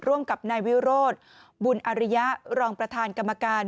ร่วมกับนายวิโรธบุญอริยะรองประธานกรรมการ